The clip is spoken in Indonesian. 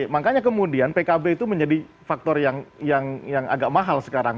makanya kemudian pkb itu menjadi faktor yang agak mahal sekarang